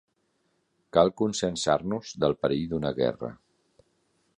Cal conscienciar-nos del perill d'una guerra.